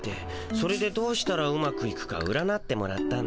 それでどうしたらうまくいくか占ってもらったんだ。